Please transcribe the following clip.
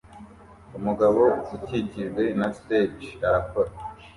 Umugabo ukikijwe na stage arakora